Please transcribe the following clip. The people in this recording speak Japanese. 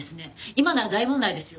今なら大問題ですよ。